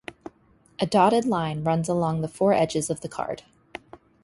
A dotted line runs along the four edges of the card.